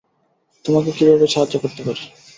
তোমাকে কীভাবে সাহায্য করতে পারি?